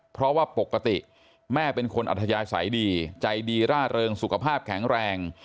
เพราะว่าปกติแม่เป็นคนอัธยาศัยดีใจดีร่าเริงสุขภาพแข็งแรง